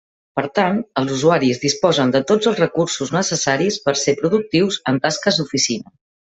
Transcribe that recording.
Per tant, els usuaris disposen de tots els recursos necessaris per ser productius en tasques d'oficina.